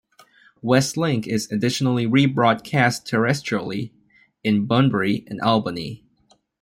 Westlink is additionally rebroadcast terrestrially in Bunbury and Albany.